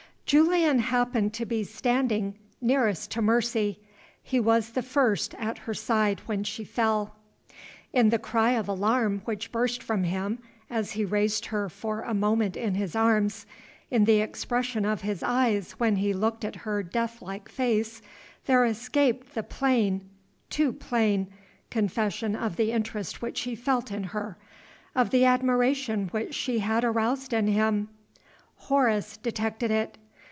JULIAN happened to be standing nearest to Mercy. He was the first at her side when she fell. In the cry of alarm which burst from him, as he raised her for a moment in his arms, in the expression of his eyes when he looked at her death like face, there escaped the plain too plain confession of the interest which he felt in her, of the admiration which she had aroused in him. Horace detected it.